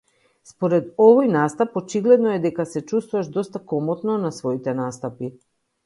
Според овој настап очигледно е дека се чувствуваш доста комотно на своите настапи.